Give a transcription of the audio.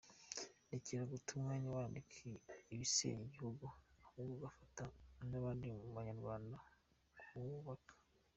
Rekera guta umwanya wandika ibisenya igihugu ahubwo ufatanye n’abandi banyarwanda kurwubaka.